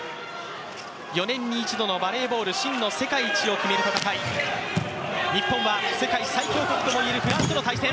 ４年に１度のバレーボール、真の世界一を決める戦い、日本は世界最強国とも言えるフランスとの対戦。